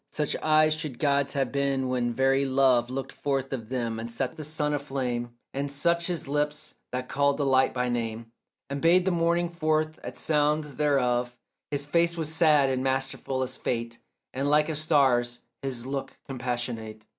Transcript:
Such eyes should God's have been when very love Looked forth of them and set the sun aflame, And such his lips that called the light by name And bade the morning forth at sound thereof; His face was sad and masterful as fate, And like a star's his look compassionate.